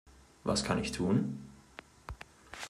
Was kann ich tun?